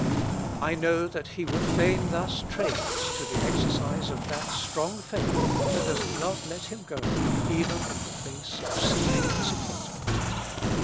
I know that He would fain thus train us to the exercise of that strong faith that does not let Him go even in the face of seeming disappointment.